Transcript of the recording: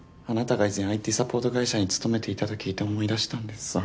あなたが以前ＩＴサポート会社に勤めていたと聞いて思い出したんです